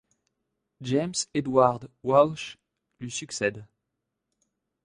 James Edward Walsh lui succède.